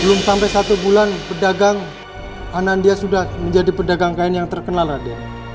belum sampai satu bulan pedagang anandya sudah menjadi pedagang kain yang terkenal raden